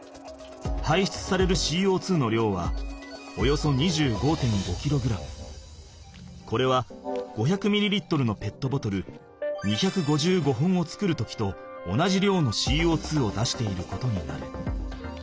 はいしゅつされるＣＯの量はおよそこれは５００ミリリットルのペットボトル２５５本を作る時と同じ量のＣＯを出していることになる。